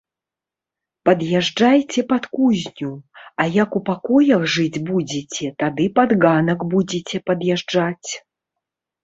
Пад'язджайце пад кузню, а як у пакоях жыць будзеце, тады пад ганак будзеце пад'язджаць.